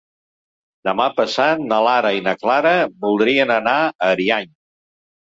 Demà passat na Lara i na Clara voldrien anar a Ariany.